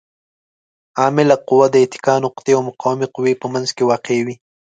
عامله قوه د اتکا نقطې او مقاومې قوې په منځ کې واقع وي.